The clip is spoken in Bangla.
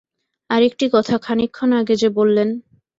আরেকটি কথা, খানিকক্ষণ আগে যে বললেন।